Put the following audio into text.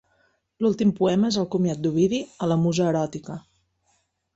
L'últim poema és el comiat d'Ovidi a la musa eròtica.